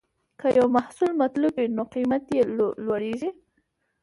که یو محصول مطلوب وي، نو قیمت یې لوړېږي.